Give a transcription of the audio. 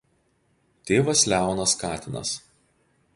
Tėvas Leonas Katinas.